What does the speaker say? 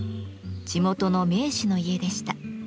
地元の名士の家でした。